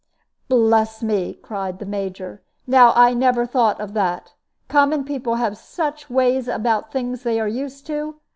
"Bless me!" cried the Major, "now I never thought of that. Common people have such ways about things they are used to!